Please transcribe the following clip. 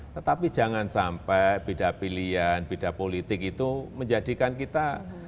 tetapi jangan sampai beda pilihan beda politik itu menjadikan kita